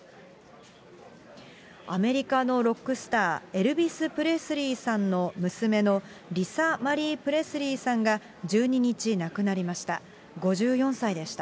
アメリカのロックスター、エルビス・プレスリーさんの娘のリサ・マリー・プレスリーさんが１２日亡くなりました。